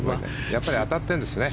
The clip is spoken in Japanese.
やっぱり当たってるんですね